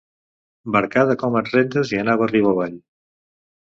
Barcada com et rentes i anava riu avall!